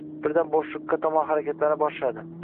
Birdan bo’shliqqa tomon harakatlana boshladi.